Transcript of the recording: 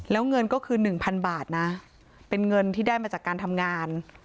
แล้วเงินก็คือ๑๐๐๐บาทนะเป็นเงินที่ได้มาจากการทำงาน